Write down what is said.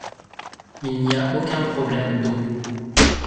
Il n’y a aucun problème d’eau.